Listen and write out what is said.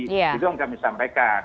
itu yang kami sampaikan